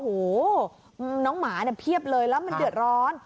โอ้โหน้องหมาเนี่ยเพียบเลยแล้วมันเดือดร้อน